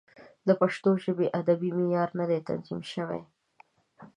د پښتو ژبې ادبي معیار نه دی تنظیم شوی.